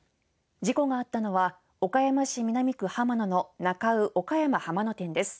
事故があったのは、岡山市南区浜野のなか卯岡山浜野店です。